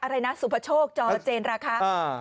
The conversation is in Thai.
อะไรนะสุภโชคจอเจนราคา